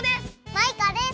マイカです！